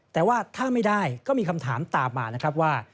แต่ว่าถ้าไม่ได้ก็มีคำถามตามมานะครับว่า